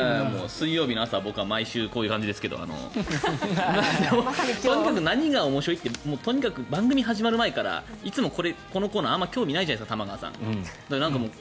水曜日の朝は毎週こういう感じですけど何が面白いってとにかく番組始まる前からいつもこのコーナーあんまり玉川さん興味ないじゃないですか。